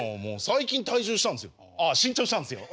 最近体重したんですよ。